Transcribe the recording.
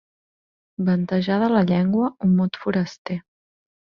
Ventejar de la llengua un mot foraster.